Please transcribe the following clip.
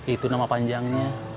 itu nama panjangnya